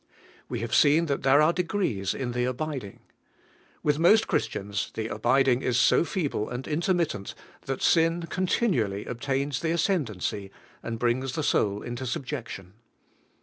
We have seen that there are degrees in the abiding. With most Christians the abiding is so feeble and intermittent, that sin continually obtains the ascendancy, and brings the soul into sub jection.